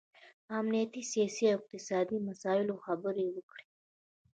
په امنیتي، سیاسي او اقتصادي مسایلو خبرې وکړي